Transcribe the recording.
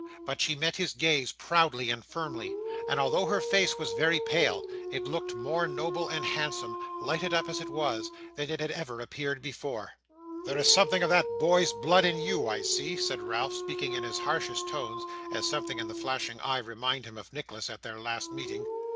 But she met his gaze proudly and firmly, and although her face was very pale, it looked more noble and handsome, lighted up as it was, than it had ever appeared before. 'There is some of that boy's blood in you, I see,' said Ralph, speaking in his harshest tones, as something in the flashing eye reminded him of Nicholas at their last meeting.